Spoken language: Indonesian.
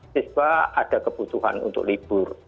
siswa ada kebutuhan untuk libur